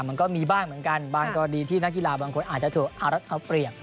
มันก็มีบ้างเหมือนกันบางกรณีที่นักกีฬาบางคนอาจจะถูกอารัดเอาเปรียบ